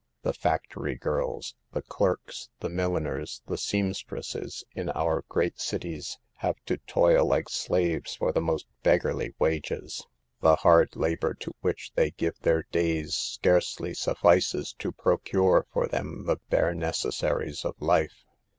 The factory girls, the clerks, the milliners, the seamstresses, in our great cities have to toil like slaves for the most beggarly wages. The hard labor to which they give their days scarcely suffices to procure for them the bare necessaries of life.